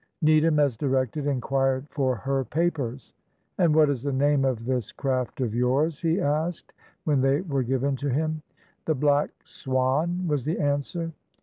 Needham, as directed, inquired for her papers "And what is the name of this craft of yours?" he asked, when they were given to him. "The Black Swan," was the answer.